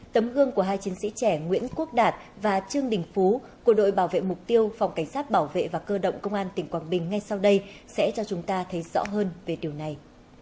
tấm gương của hai chiến sĩ trẻ nguyễn quốc đạt và trương đình phú của đội bảo vệ mục tiêu phòng cảnh sát bảo vệ và cơ động công an tỉnh quảng bình ngay sau đây sẽ cho chúng ta thấy rõ hơn về điều này